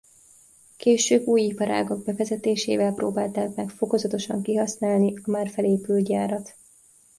Később új iparágak bevezetésével próbálták meg fokozatosan kihasználni a már felépült gyárat.